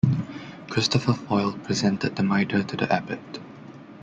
Christopher Foyle presented the mitre to the Abbot.